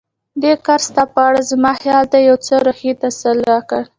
دې کار ستا په اړه زما خیالونو ته یو څه روحي تسل راکړ.